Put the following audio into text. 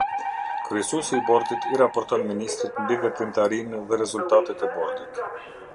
Kryesuesi i Bordit i raporton Ministrit mbi veprimtarinë dhe rezultatet e Bordit.